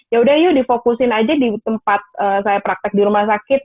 yaudah yuk difokusin aja di tempat saya praktek di rumah sakit